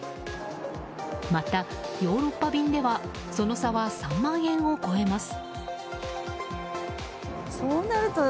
また、ヨーロッパ便ではその差は３万円を超えます。